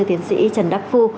tiến sĩ trần đắc phu